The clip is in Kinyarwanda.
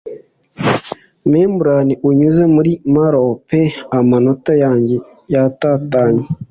Membrane unyuze muri marrow pe amanota yanjye-yatatanye